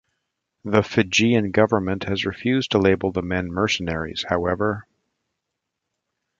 The Fijian government has refused to label the men "mercenaries", however.